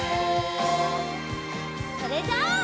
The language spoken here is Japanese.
それじゃあ。